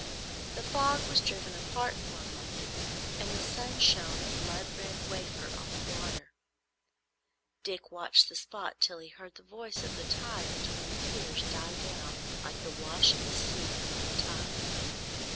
The fog was driven apart for a moment, and the sun shone, a blood red wafer, on the water. Dick watched the spot till he heard the voice of the tide between the piers die down like the wash of the sea at low tide.